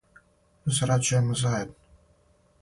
Зарађујемо заједно